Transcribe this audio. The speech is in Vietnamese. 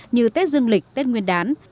như tết dương lịch tết nguyên đán